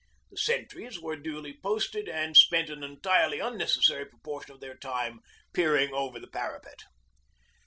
The sentries were duly posted, and spent an entirely unnecessary proportion of their time peering over the parapet.